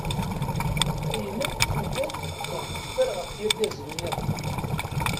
Ayen akk tugad neɣ teffer ɣef yirgazen-nniḍen.